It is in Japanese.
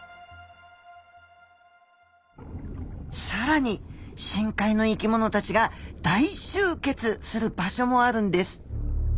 さらに深海の生きものたちが大集結する場所もあるんです。